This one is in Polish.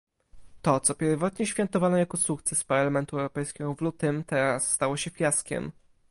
To, co pierwotnie świętowano jako sukces Parlamentu Europejskiego w lutym, teraz stało się fiaskiem